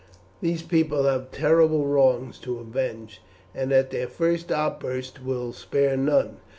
These people have terrible wrongs to avenge, and at their first outburst will spare none.